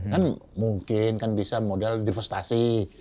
kan mungkin kan bisa model divestasi